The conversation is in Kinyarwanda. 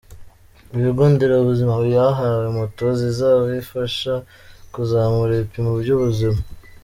Ibigo Nderabuzima byahawe moto zizabifasha kuzamura ibipimo by’Ubuzima.